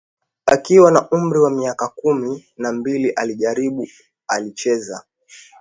Akiwa na umri wa miaka kumi na mbili alijaribu alicheza